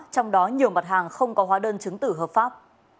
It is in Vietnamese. trong đó nhiều mặt hàng không có hóa đơn chứng tử hợp pháp